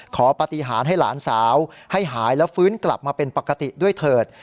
ปฏิหารให้หลานสาวให้หายแล้วฟื้นกลับมาเป็นปกติด้วยเถิด